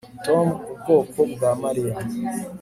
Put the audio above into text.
tom ubwoko bwa mariya